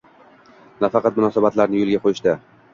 nafaqat munosabatlarni yo‘lga qo‘yishda